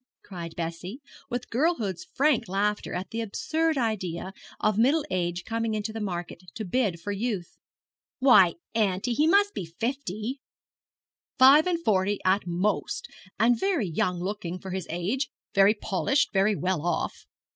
cried Bessie, with girlhood's frank laughter at the absurd idea of middle age coming into the market to bid for youth. 'Why, auntie, the man must be fifty.' 'Five and forty at most, and very young looking for his age; very polished, very well off.